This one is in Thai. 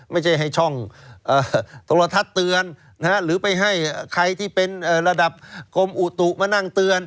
ไม่ใช่ให้ช่องโทรทัศน์เตือนหรือไปให้ใครที่เป็นระดับกรมอุตุมานั่งเตือน